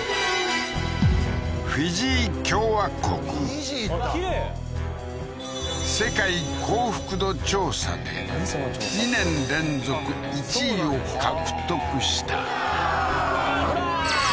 フィジー行ったきれい世界幸福度調査で２年連続１位を獲得したブラ！